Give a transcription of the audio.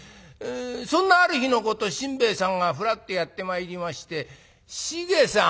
そんなある日のこと新兵衛さんがふらっとやって参りまして「繁さん」。